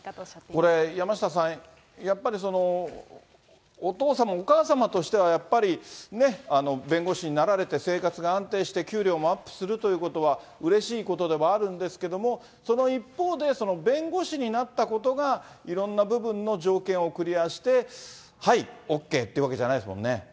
これ、山下さん、やっぱりお父様、お母様としてはやっぱり、ね、弁護士になられて、生活が安定して、給料もアップするということは、うれしいことでもあるんですけども、その一方で、弁護士になったことが、いろんな部分の条件をクリアして、はい、ＯＫというわけじゃないですもんね？